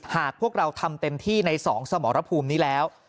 หากพวกเราทำเต็มที่ใน๒สมรภูมินี้แล้ว